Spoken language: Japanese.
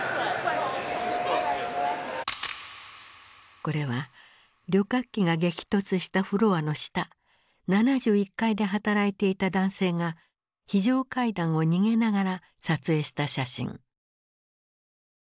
これは旅客機が激突したフロアの下７１階で働いていた男性が非常階段を逃げながら撮影した写真。